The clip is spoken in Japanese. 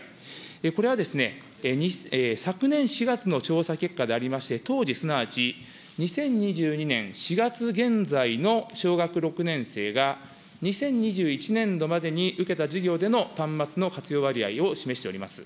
これは昨年４月の調査結果でありまして、当時、すなわち２０２２年４月現在の小学６年生が、２０２１年度までに受けた授業での端末の活用割合を示しております。